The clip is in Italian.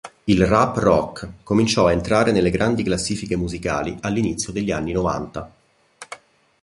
Il rap rock cominciò a entrare nelle grandi classifiche musicali all’inizio degli anni novanta.